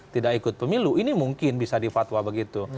tidak ikut pemilu ini mungkin bisa dipatwa begitu